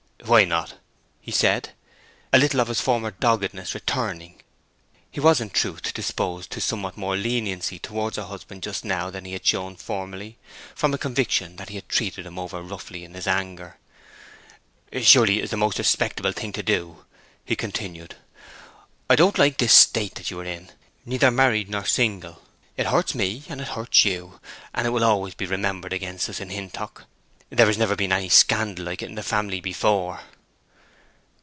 "Why not?" said he, a little of his former doggedness returning. He was, in truth, disposed to somewhat more leniency towards her husband just now than he had shown formerly, from a conviction that he had treated him over roughly in his anger. "Surely it is the most respectable thing to do?" he continued. "I don't like this state that you are in—neither married nor single. It hurts me, and it hurts you, and it will always be remembered against us in Hintock. There has never been any scandal like it in the family before."